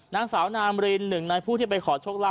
นางสาวนามรินหนึ่งในผู้ที่ไปขอโชคลาภ